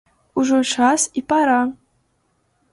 Ужо час і пара!